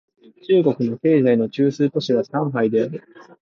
中国の経済の中枢都市は上海である